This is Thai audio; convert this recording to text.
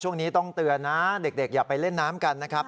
ช่วงนี้ต้องเตือนนะเด็กอย่าไปเล่นน้ำกันนะครับ